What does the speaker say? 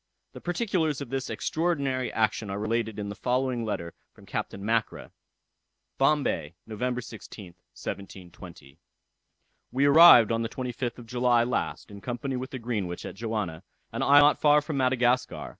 The particulars of this extraordinary action are related in the following letter from Captain Mackra. "Bombay, November 16th, 1720. "We arrived on the 25th of July last, in company with the Greenwich, at Johanna, an island not far from Madagascar.